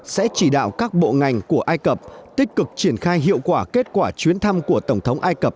sẽ chỉ đạo các bộ ngành của ai cập tích cực triển khai hiệu quả kết quả chuyến thăm của tổng thống ai cập